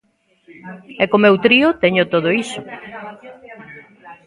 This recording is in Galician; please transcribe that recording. E co meu trío teño todo iso.